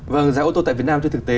vâng giá ô tô tại việt nam trên thực tế